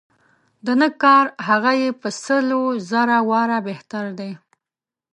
د نه کار هغه یې په سل و زر واره بهتر دی.